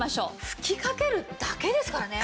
吹きかけるだけですからね。